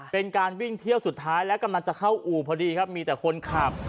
เป็นการวิ่งเที่ยวสุดท้ายแล้วกำลังจะเข้าอู่พอดีครับมีแต่คนขับ